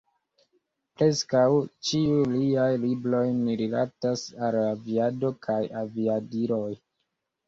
Preskaŭ ĉiuj liaj libroj rilatas al aviado kaj aviadiloj.